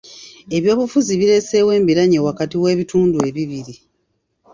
Ebyobufuzi bireesewo embiranye wakati w'ebitundu ebibiri.